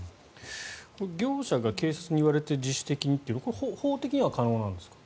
業者が警察に言われて自主的にというのは法的には可能なんですか？